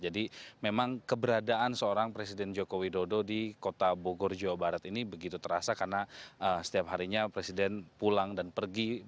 jadi memang keberadaan seorang presiden joko widodo di kota bogor jawa barat ini begitu terasa karena setiap harinya presiden pulang dan pergi